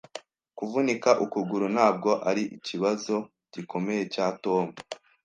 Kuvunika ukuguru ntabwo arikibazo gikomeye cya Tom.